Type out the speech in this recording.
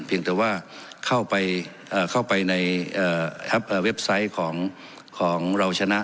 เพียงแต่ว่าเข้าไปเอ่อเข้าไปในเอ่อครับเอ่อเว็บไซต์ของของเราชนะ